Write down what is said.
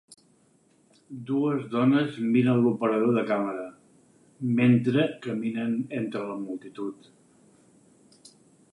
Dues dones miren a l'operador de càmera mentre caminen entre la multitud